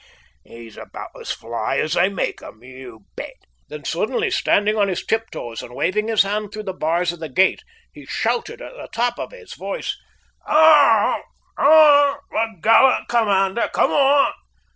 He's about as fly as they make 'em, you bet!" Then suddenly standing on his tip toes and waving his hand through the bars of the gate, he shouted at the top of his voice: "Come on, my gallant commandant! Come on!